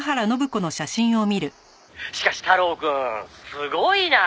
「しかし太郎くんすごいなあ！」